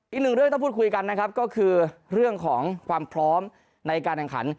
อีกหนึ่งเรื่องต้องพูดคุยกันนะครับก็คือเรื่องของความพร้อมในการแข่งขัน